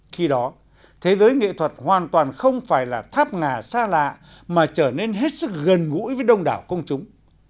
khi đó thế giới nghệ thuật hoàn toàn không phải là tháp ngà xa lạ mà trở nên hết sức gần gũi với đông đảo công chúng